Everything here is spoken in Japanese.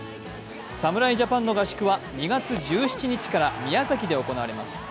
侍ジャパンの合宿は２月１７日、宮崎県で行われます。